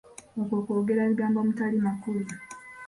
Okwo kwogera bigambo omutali makulu.